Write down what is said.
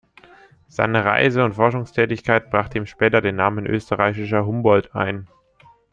Seine Reise- und Forschungstätigkeit brachte ihm später den Namen „österreichischer Humboldt“ ein.